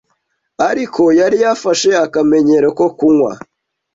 ariko yari yarafashe akamenyero ko kunywa,